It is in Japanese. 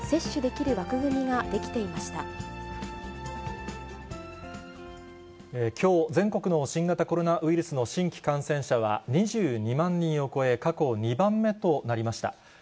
きょう、全国の新型コロナウイルスの新規感染者は、２２万人を超え、過去２番目となりました。